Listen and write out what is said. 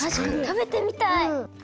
たべてみたい。